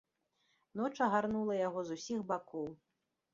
Ноч агарнула яго з усіх бакоў.